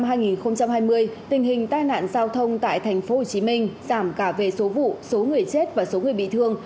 tình hình tai nạn giao thông tại tp hcm giảm cả về số vụ số người chết và số người bị thương